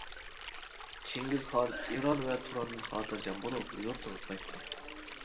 چىڭگىزخان ئىران ۋە تۇراندىن خاتىرجەم بولۇپ، يۇرتىغا قايتتى.